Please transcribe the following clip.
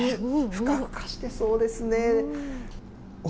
ふかふかしてそうですね。